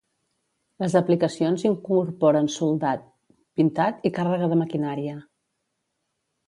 Les aplicacions incorporen soldat, pintat i càrrega de maquinària.